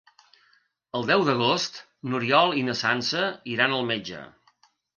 El deu d'agost n'Oriol i na Sança iran al metge.